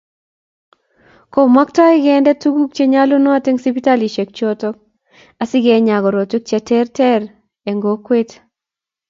Komaktoi kende tukuk che nyalunot eng siptalishek choto asikenyaa korotwek che ter eng kokwet